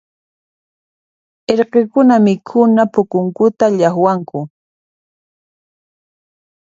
Irqikuna mikhuna p'ukunkuta llaqwanku.